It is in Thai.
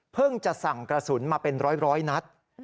จะสั่งกระสุนมาเป็นร้อยนัด